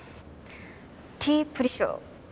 ティプリショウ